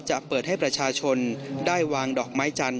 จะเปิดให้ประชาชนได้วางดอกไม้จันท